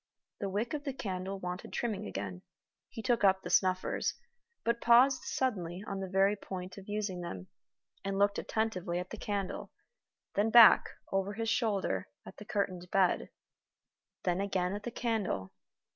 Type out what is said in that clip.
The wick of the candle wanted trimming again. He took up the snuffers, but paused suddenly on the very point of using them, and looked attentively at the candle then back, over his shoulder, at the curtained bed then again at the candle.